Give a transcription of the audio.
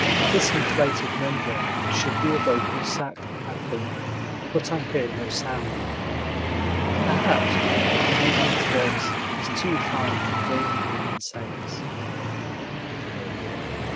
This inflated membrane should be a vocal sac, I think, but I hear no sound. Perhaps the chameleon's voice is too fine for dull human sense.